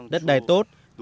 đất đai tốt